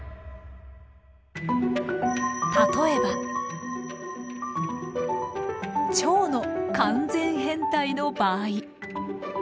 例えばチョウの完全変態の場合。